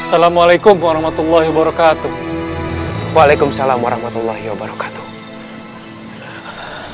hai assalamualaikum warahmatullahi wabarakatuh waalaikumsalam warahmatullahi wabarakatuh